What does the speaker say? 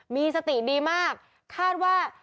มีสติดีมากคาดว่า